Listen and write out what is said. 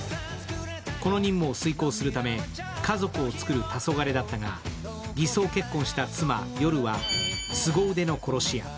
この任務を遂行するため家族をつくる黄昏だったが偽装結婚した妻・ヨルはすご腕の殺し屋。